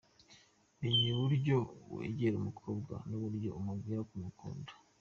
Menya uburyo wegera umukobwa n’uburyo umubwira ko umukunda.